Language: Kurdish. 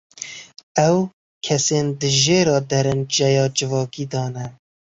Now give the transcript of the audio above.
Ew, kesên di jêra derenceya civakî de ne.